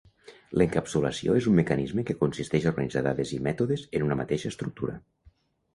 L'encapsulació és un mecanisme que consisteix a organitzar dades i mètodes en una mateixa estructura.